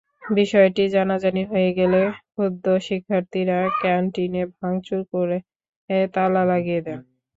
বিষয়টি জানাজানি হয়ে গেলে ক্ষুব্ধ শিক্ষার্থীরা ক্যানটিনে ভাঙচুর করে তালা লাগিয়ে দেন।